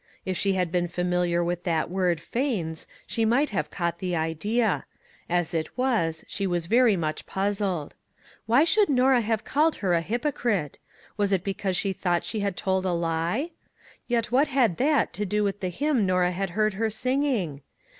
If she had been familiar with that word " feigns," she might have caught the idea. As it was, she was very much puzzled. Why should Norah have called her a hypocrite? Was it because she thought she had told a lie ? Yet what had that to do with the hymn Norah had heard her sing ing